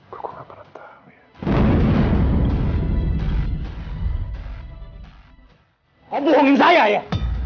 gue gak pernah tahu ya